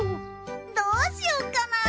どうしようかな！